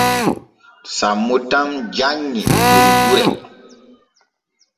Sammo tan janŋi der gure.